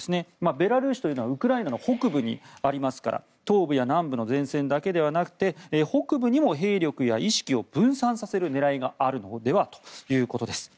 ベラルーシというのはウクライナの北部にありますから東部や南部の前線だけではなくて北部にも兵力や意識を分散させる狙いがあるのではということです。